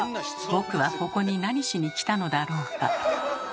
僕はここに何しに来たのだろうか。